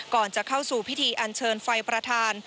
ก่อนจะเข้าสู่พิธีอันเชิญไฟประธาน